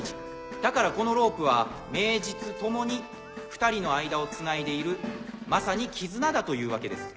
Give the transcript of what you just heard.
だからこのロープは名実ともに２人の間をつないでいるまさに絆だというわけです。